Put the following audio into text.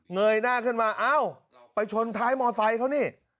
ยหน้าขึ้นมาเอ้าไปชนท้ายมอไซค์เขานี่